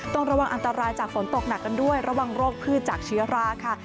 ต้องระวังอันตรายจากฝนตกหนักกันด้วยระวังโรคพืชจากเชื้อราค่ะ